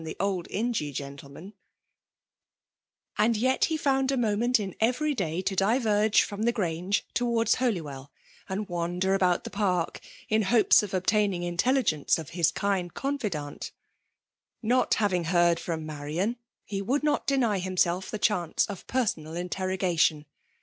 219 wpm tke ^ dd Iqee gsbtleman ;) Md yet he found a moment in every day to diverge fimn Hm Grange tovrards Holywell, and wander aboBt the padc, in hopes of obtaining »tellU gence of his kind confidante. Not havkig heard fiem Marian, he would not deny himself Ihe ehance of penonal intenogation.